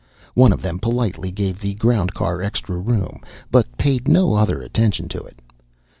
One of them politely gave the ground car extra room, but paid no other attention to it.